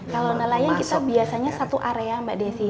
kalau nelayan kita biasanya satu area mbak desi